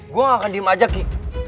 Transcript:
gua gak akan diem aja ki